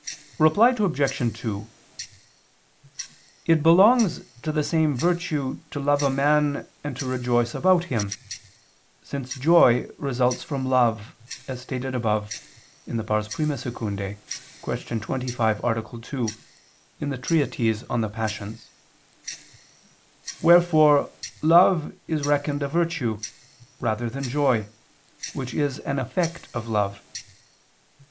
Reply Obj. 2: It belongs to the same virtue to love a man and to rejoice about him, since joy results from love, as stated above (I II, Q. 25, A. 2) in the treatise on the passions: wherefore love is reckoned a virtue, rather than joy, which is an effect of love.